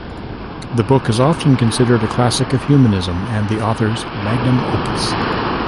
The book is often considered a classic of humanism and the author's "magnum opus".